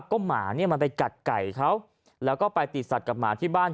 ก็หมาเนี่ยมันไปกัดไก่เขาแล้วก็ไปติดสัตว์กับหมาที่บ้าน